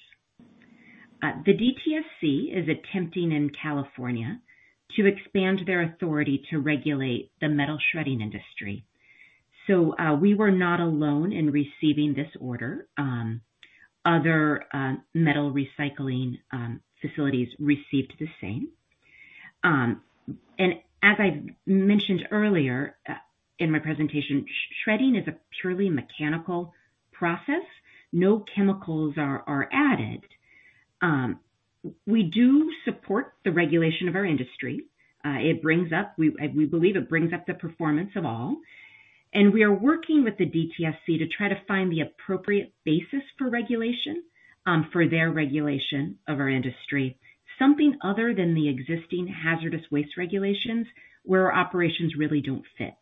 The DTSC is attempting in California to expand their authority to regulate the metal shredding industry. We were not alone in receiving this order. Other metal recycling facilities received the same. As I mentioned earlier in my presentation, shredding is a purely mechanical process. No chemicals are added. We do support the regulation of our industry. It brings up, we believe it brings up the performance of all. We are working with the DTSC to try to find the appropriate basis for regulation for their regulation of our industry, something other than the existing hazardous waste regulations where our operations really don't fit.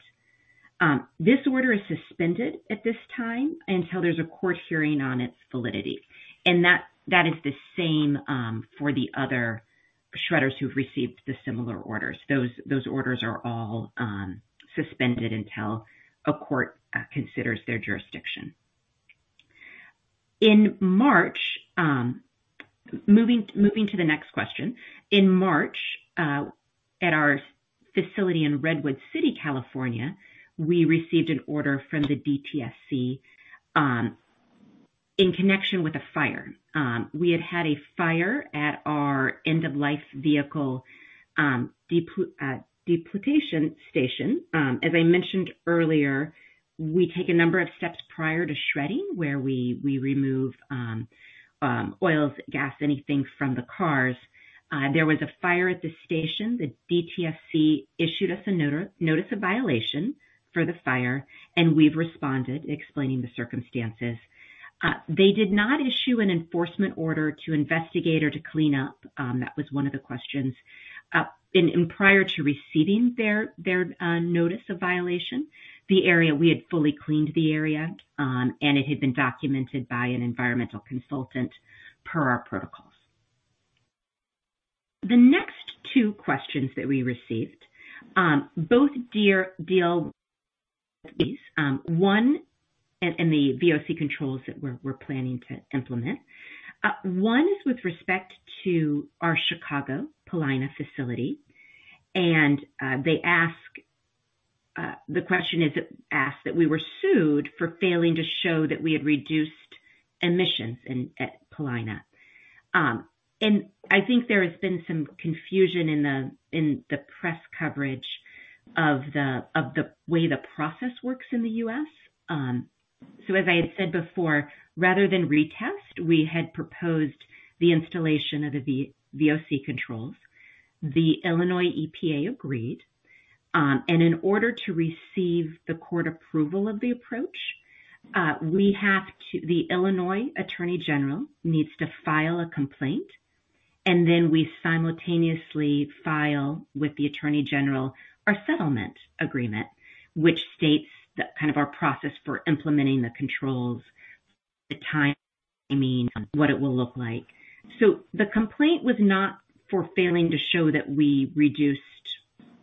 This order is suspended at this time until there's a court hearing on its validity. That is the same for the other shredders who've received the similar orders. Those orders are all suspended until a court considers their jurisdiction. In March, moving to the next question. In March, at our facility in Redwood City, California, we received an order from the DTSC, in connection with a fire. We had had a fire at our end-of-life vehicle depollution station. As I mentioned earlier, we take a number of steps prior to shredding where we remove oils, gas, anything from the cars. There was a fire at the station. The DTSC issued us a notice of violation for the fire, and we've responded explaining the circumstances. They did not issue an enforcement order to investigate or to clean up, that was one of the questions. Prior to receiving their notice of violation, we had fully cleaned the area, and it had been documented by an environmental consultant per our protocols. The next two questions that we received both deal with this. The VOC controls that we're planning to implement. One is with respect to our Chicago Paulina facility. They ask the question that we were sued for failing to show that we had reduced emissions at Paulina. I think there has been some confusion in the press coverage of the way the process works in the U.S. As I had said before, rather than retest, we had proposed the installation of the VOC controls. The Illinois EPA agreed. In order to receive the court approval of the approach, the Illinois Attorney General needs to file a complaint, and then we simultaneously file with the Attorney General our settlement agreement, which states the kind of our process for implementing the controls, the timing, what it will look like. The complaint was not for failing to show that we reduced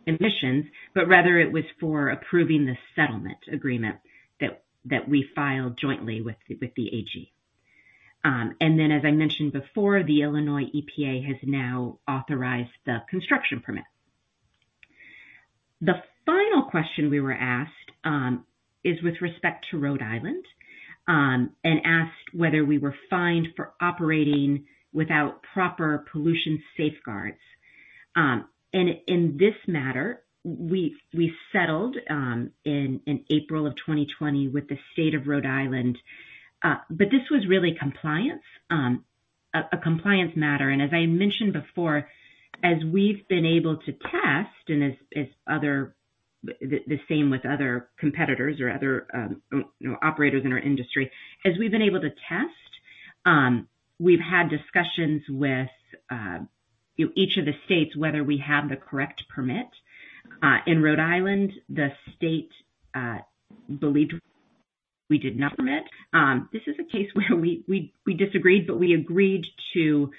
emissions, but rather it was for approving the settlement agreement that we filed jointly with the AG. As I mentioned before, the Illinois EPA has now authorized the construction permit. The final question we were asked is with respect to Rhode Island, and asked whether we were fined for operating without proper pollution safeguards. In this matter, we settled in April of 2020 with the state of Rhode Island. This was really compliance, a compliance matter. As I mentioned before, as we've been able to test and as others, the same with other competitors or other, you know, operators in our industry, as we've been able to test, we've had discussions with each of the states whether we have the correct permit. In Rhode Island, the state believed we did not permit. This is a case where we disagreed, but we agreed to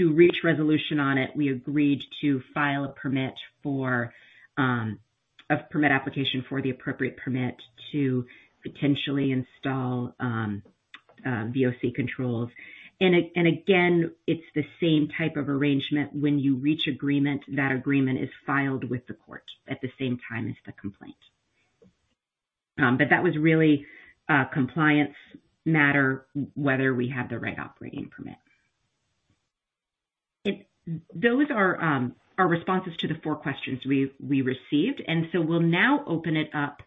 reach resolution on it. We agreed to file a permit for a permit application for the appropriate permit to potentially install VOC controls. Again, it's the same type of arrangement when you reach agreement, that agreement is filed with the court at the same time as the complaint. That was really a compliance matter, whether we had the right operating permit. Those are responses to the four questions we received. We'll now open it up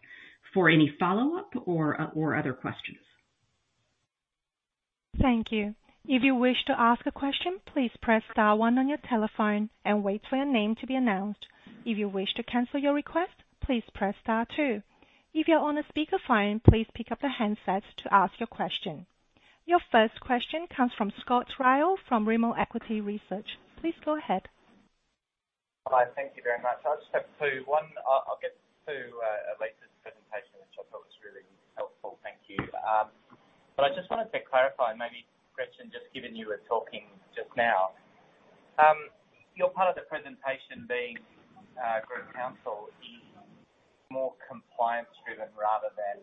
for any follow-up or other questions. Thank you. If you wish to ask a question, please press star one on your telephone and wait for your name to be announced. If you wish to cancel your request, please press star two. If you're on a speakerphone, please pick up the handsets to ask your question. Your first question comes from Scott Ryall from Rimor Equity Research. Please go ahead. Hi, thank you very much. I just have two. One, I'll get to Elise's presentation, which I thought was really helpful. Thank you. I just wanted to clarify, maybe Gretchen, just given you were talking just now. Your part of the presentation being group counsel is more compliance driven rather than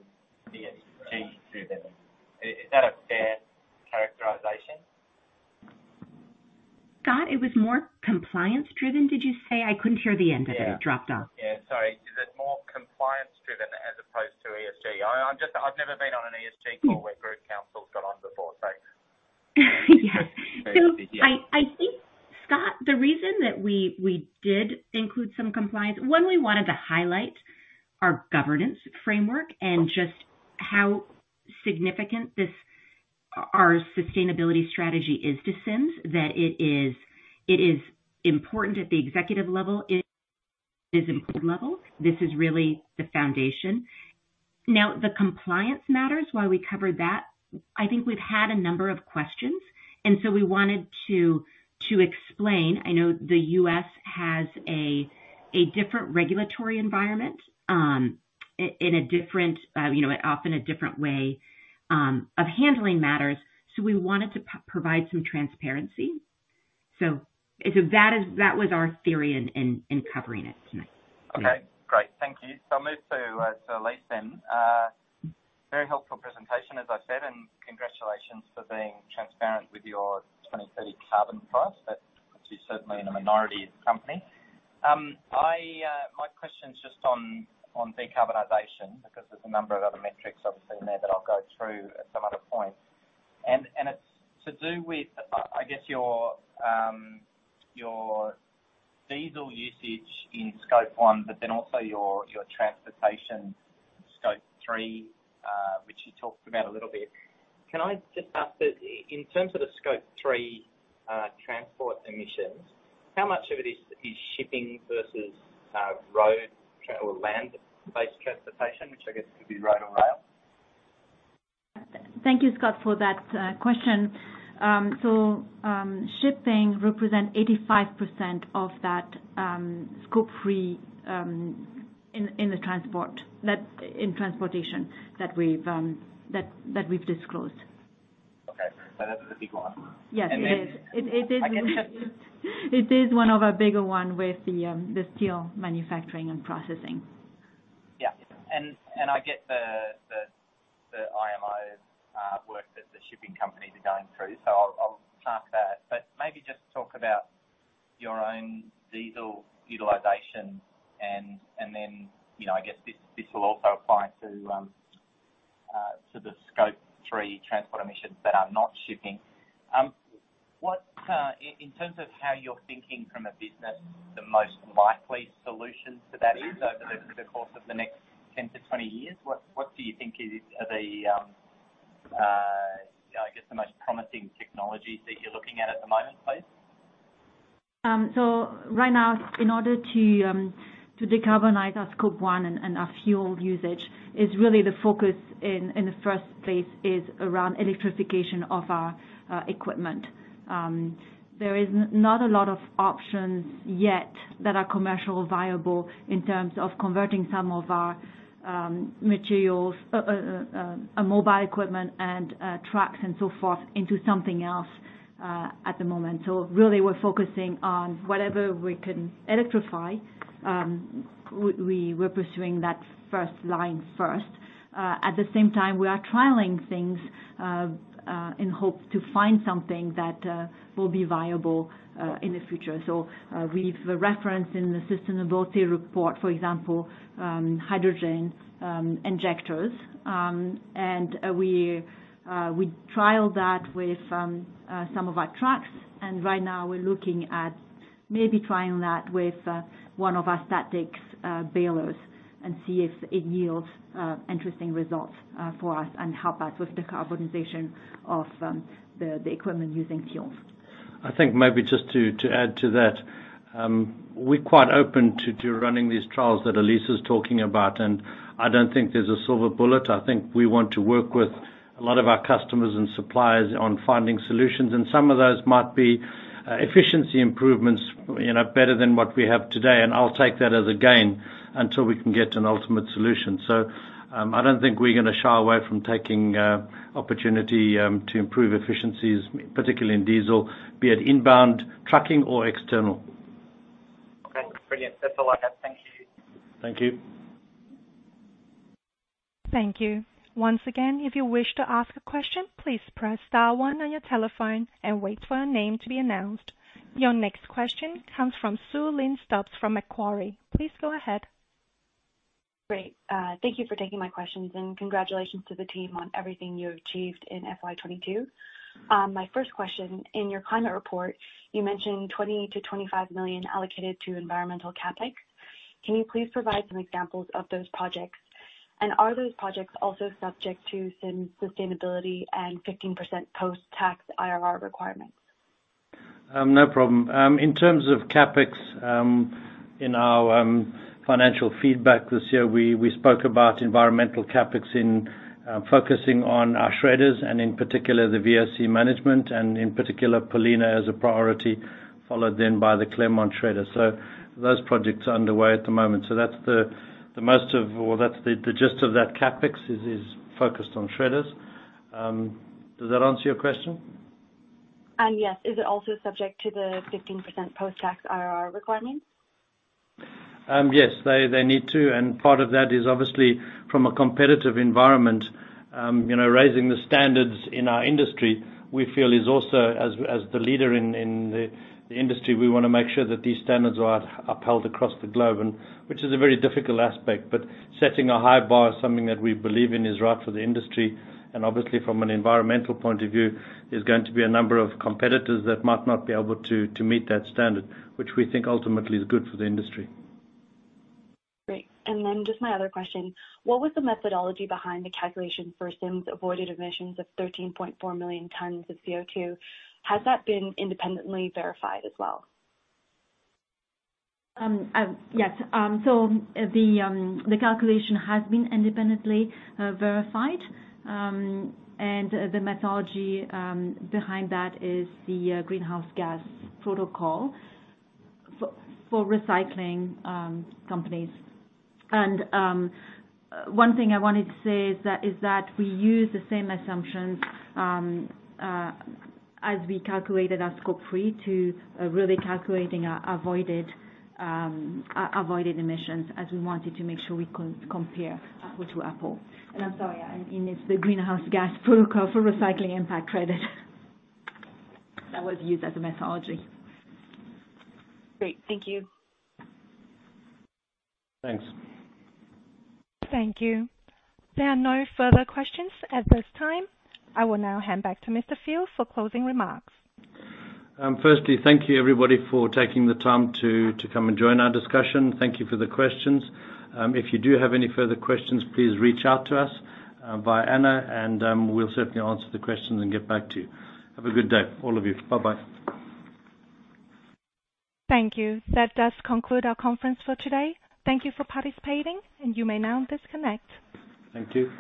ESG driven. Is that a fair characterization? Scott, it was more compliance driven, did you say? I couldn't hear the end of it. Yeah. It dropped off. Yeah, sorry. Is it more compliance driven as opposed to ESG? I've never been on an ESG call where group counsel got on before, so. Yes. I think, Scott, the reason that we did include some compliance, one, we wanted to highlight our governance framework and just how significant our sustainability strategy is to Sims, that it is important at the executive level. This is really the foundation. Now, the compliance matters, why we covered that, I think we've had a number of questions, and so we wanted to explain. I know the U.S. has a different regulatory environment in a different, you know, often a different way of handling matters, so we wanted to provide some transparency. That is. That was our theory in covering it tonight. Okay, great. Thank you. I'll move to Elise then. Very helpful presentation, as I said, and congratulations for being transparent with your 2030 carbon price. That puts you certainly in a minority company. My question's just on decarbonization because there's a number of other metrics obviously in there that I'll go through at some other point. It's to do with I guess your diesel usage in Scope 1, but then also your transportation Scope 3, which you talked about a little bit. Can I just ask in terms of the Scope 3 transport emissions, how much of it is shipping versus road or land-based transportation, which I guess could be road or rail? Thank you, Scott, for that question. Shipping represent 85% of that Scope 3 in transportation that we've disclosed. Okay. That's the big one. Yes, it is. And then It is one of our bigger one with the steel manufacturing and processing. Yeah. I get the IMO work that the shipping companies are going through, so I'll park that. Maybe just talk about your own diesel utilization and then, you know, I guess this will also apply to the Scope 3 transport emissions that are not shipping. In terms of how you're thinking from a business, the most likely solutions to that is over the course of the next 10-20 years, what do you think are the most promising technologies that you're looking at at the moment, please? Right now in order to decarbonize our Scope 1 and our fuel usage is really the focus in the first place is around electrification of our equipment. There is not a lot of options yet that are commercially viable in terms of converting some of our mobile equipment and trucks and so forth into something else at the moment. Really we're focusing on whatever we can electrify. We were pursuing that first. At the same time, we are trialing things in hopes to find something that will be viable in the future. We've referenced in the sustainability report, for example, hydrogen injectors. We trialed that with some of our trucks and right now we're looking at maybe trying that with one of our static bailers and see if it yields interesting results for us and help us with decarbonization of the equipment using fuels. I think maybe just to add to that, we're quite open to running these trials that Elise is talking about, and I don't think there's a silver bullet. I think we want to work with a lot of our customers and suppliers on finding solutions, and some of those might be efficiency improvements, you know, better than what we have today. I'll take that as a gain until we can get an ultimate solution. I don't think we're gonna shy away from taking opportunity to improve efficiencies, particularly in diesel, be it inbound trucking or external. Okay, brilliant. That's all I have. Thank you. Thank you. Thank you. Once again, if you wish to ask a question, please press star one on your telephone and wait for your name to be announced. Your next question comes from Sue Lyn Stubbs from Macquarie. Please go ahead. Great. Thank you for taking my questions, and congratulations to the team on everything you have achieved in FY 2022. My first question, in your climate report, you mentioned 20-25 million ed allocated to environmental CapEx. Can you please provide some examples of those projects? Are those projects also subject to Sims' sustainability and 15% post-tax IRR requirements? No problem. In terms of CapEx, in our financial feedback this year, we spoke about environmental CapEx focusing on our shredders and in particular the VOC management and in particular Paulina as a priority, followed then by the Claremont shredder. Those projects are underway at the moment. Well, that's the gist of that CapEx focused on shredders. Does that answer your question? Yes. Is it also subject to the 15% post-tax IRR requirement? Yes, they need to, and part of that is obviously from a competitive environment. You know, raising the standards in our industry, we feel is also, as the leader in the industry, we wanna make sure that these standards are upheld across the globe, which is a very difficult aspect. Setting a high bar is something that we believe in is right for the industry. Obviously from an environmental point of view, there's going to be a number of competitors that might not be able to meet that standard, which we think ultimately is good for the industry. Great. Just my other question. What was the methodology behind the calculation for Sims's avoided emissions of 13.4 million tons of CO2? Has that been independently verified as well? Yes. The calculation has been independently verified. The methodology behind that is the Greenhouse Gas Protocol for recycling companies. One thing I wanted to say is that we use the same assumptions as we calculated our Scope 3 to really calculating our avoided emissions as we wanted to make sure we compare apples to apples. I'm sorry, and it's the Greenhouse Gas Protocol for recycling impact credit that was used as a methodology. Great. Thank you. Thanks. Thank you. There are no further questions at this time. I will now hand back to Mr. Field for closing remarks. Firstly, thank you everybody for taking the time to come and join our discussion. Thank you for the questions. If you do have any further questions, please reach out to us via Anna, and we'll certainly answer the questions and get back to you. Have a good day, all of you. Bye-bye. Thank you. That does conclude our conference for today. Thank you for participating, and you may now disconnect. Thank you.